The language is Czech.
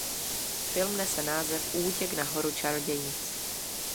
Film nese název "Útěk na Horu čarodějnic".